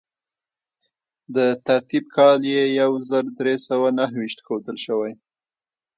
د ترتیب کال یې یو زر درې سوه نهه ویشت ښودل شوی.